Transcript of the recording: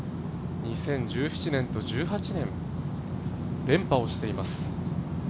２０１７年と２０１８年に連覇をしています。